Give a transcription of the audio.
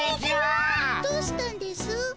どうしたんですぅ？